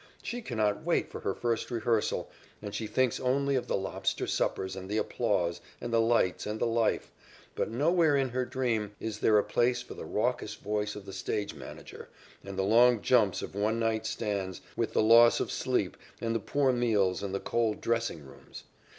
She cannot wait for her first rehearsal, and she thinks only of the lobster suppers and the applause and the lights and the life, but nowhere in her dream is there a place for the raucous voice of the stage manager and the long jumps of "one night stands" with the loss of sleep and the poor meals and the cold dressing rooms.